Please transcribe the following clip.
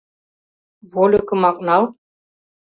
— Вольыкымак нал.